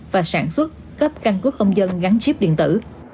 và sản xuất cấp căn cước công dân gắn chip điện tử